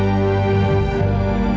gue mau pergi ke rumah